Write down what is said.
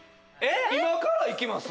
「今から行きます」？